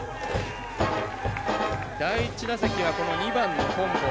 第１打席は２番の本坊。